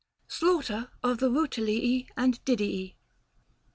675 SLAUGHTER OF THE RUTILII AND DIDII.